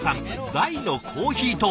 大のコーヒー党。